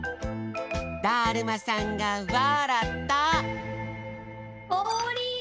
だるまさんがわらった！